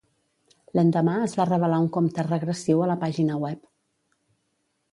L'endemà es va revelar un compte regressiu a la pàgina web.